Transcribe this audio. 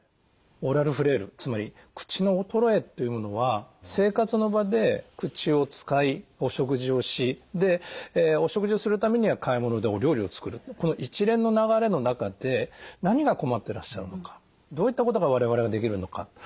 オーラルフレイルつまり口の衰えっていうものは生活の場で口を使いお食事をしでお食事をするためには買い物でお料理を作るこの一連の流れの中で何が困ってらっしゃるのかどういったことが我々ができるのか。